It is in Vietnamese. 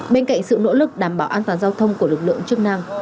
bên cạnh sự nỗ lực đảm bảo an toàn giao thông của lực lượng chức năng